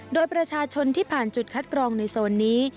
โดยประชาชนที่ผ่านจุดคัดกรองในโซนนี้